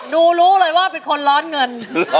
รู้เลยว่าเป็นคนร้อนเงิน